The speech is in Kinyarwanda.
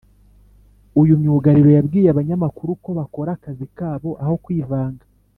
Uyu myugariro yabwiye abanyamakuru ko bakora akazi kabo aho kwivanga